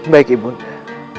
baik ibu ndamu